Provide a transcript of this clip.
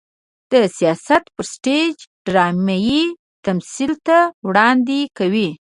د سياست پر سټېج ډرامايي تمثيل ته وړاندې کوي.